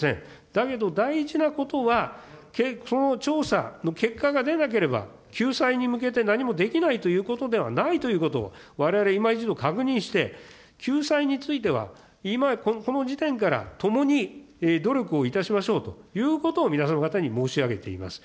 だけど、大事なことはその調査の結果が出なければ、救済に向けて何もできないということではないということをわれわれ、いま一度確認して、救済については、今、この時点から共に努力をいたしましょうということを皆様方に申し上げています。